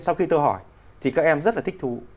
sau khi tôi hỏi thì các em rất là thích thú